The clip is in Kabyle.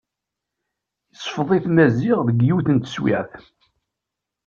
Isfeḍ-it Maziɣ deg yiwet n teswiɛt.